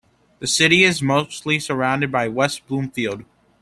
The city is mostly surrounded by West Bloomfield.